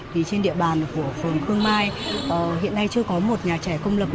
thì trên địa bàn của phường khương mai hiện nay chưa có một nhà trẻ công lập